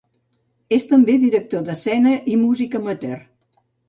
És també director d'escena i músic amateur.